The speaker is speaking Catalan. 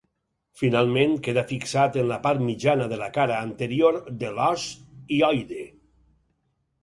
Finalment, queda fixat en la part mitjana de la cara anterior de l'os hioide.